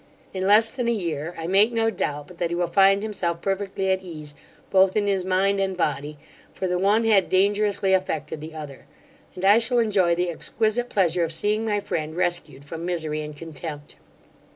In less than a year, I make no doubt, but he will find himself perfectly at ease both in his mind and body, for the one had dangerously affected the other; and I shall enjoy the exquisite pleasure of seeing my friend rescued from misery and contempt.